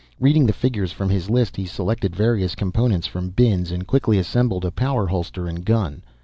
Reading the figures from his list he selected various components from bins and quickly assembled a power holster and gun.